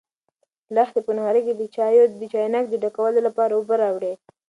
لښتې په نغري کې د چایو د چاینک د ډکولو لپاره اوبه راوړې.